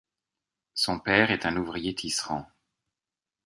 Son père est un ouvrier tisserand.